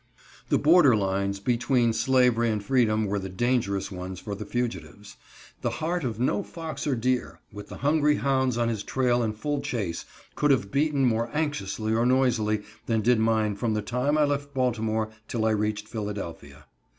The border lines between slavery and freedom were the dangerous ones for the fugitives. The heart of no fox or deer, with hungry hounds on his trail in full chase, could have beaten more anxiously or noisily than did mine from the time I left Baltimore till I reached Philadelphia.